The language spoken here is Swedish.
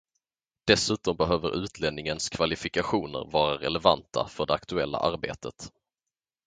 Dessutom behöver utlänningens kvalifikationer vara relevanta för det aktuella arbetet.